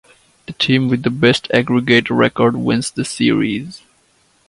The team with the best aggregate record wins the series.